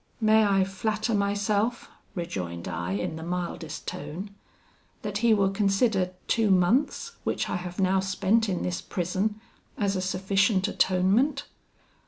'May I flatter myself,' rejoined I, in the mildest tone, 'that he will consider two months, which I have now spent in this prison, as a sufficient atonement?'